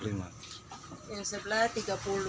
yang sebelah tiga puluh